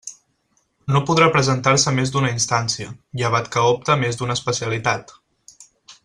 No podrà presentar-se més d'una instància, llevat que opte a més d'una especialitat.